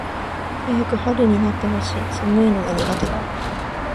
早く春になって欲しい。寒いのは苦手だ。